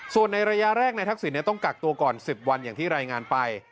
ส่วนในระยะแรกนายทักษิณต้องกักตัวก่อน๑๐วันอย่างที่รายงานไป